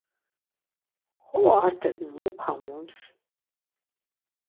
Xolo Artek mu ǩamums?